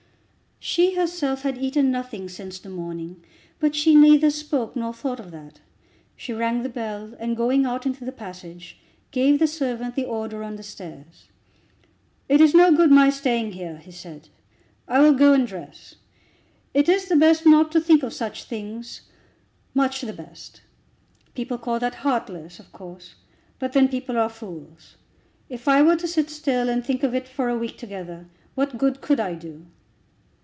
She herself had eaten nothing since the morning, but she neither spoke nor thought of that. She rang the bell, and going out into the passage gave the servant the order on the stairs. "It is no good my staying here," he said. "I will go and dress. It is the best not to think of such things, much the best. People call that heartless, of course, but then people are fools. If I were to sit still, and think of it for a week together, what good could I do?"